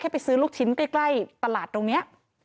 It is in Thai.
ไปซื้อลูกชิ้นใกล้ตลาดตรงนี้